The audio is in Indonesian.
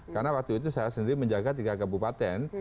karena waktu itu saya sendiri menjaga tiga kabupaten